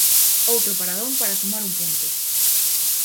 Outro paradón para sumar un punto.